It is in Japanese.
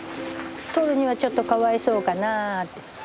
とるにはちょっとかわいそうかな。